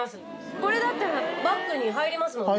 これだったらバッグに入りますもんね。